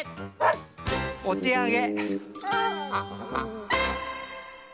おてあげ。